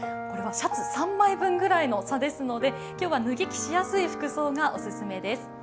これはシャツ３枚分くらいの差ですので、今日は脱ぎ着しやすい服装がお勧めです。